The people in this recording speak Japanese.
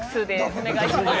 お願いします。